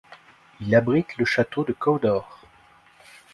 Il abrite le Château de Cawdor.